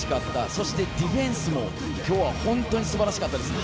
そしてディフェンスも今日は本当に素晴らしかったですね。